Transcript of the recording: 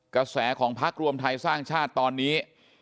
กระแสของพักรวมไทยสร้างชาติตอนนี้